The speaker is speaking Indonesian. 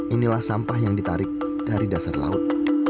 inilah sampah yang ditarik dari dasar laut